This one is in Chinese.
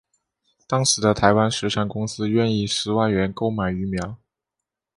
当时的台湾水产公司愿以十万元购买鱼苗。